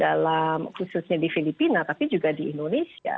dalam khususnya di filipina tapi juga di indonesia